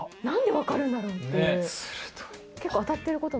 何で分かるんだろうっていう。